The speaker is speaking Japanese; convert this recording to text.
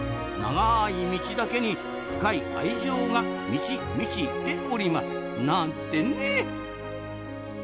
長い「道」だけに深い愛情が「満ち満ち」ております。なんてね！